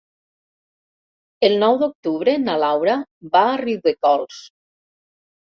El nou d'octubre na Laura va a Riudecols.